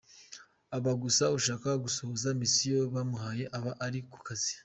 Aba gusa ashaka gusohoza mission bamuhaye, aba ari ku kazi.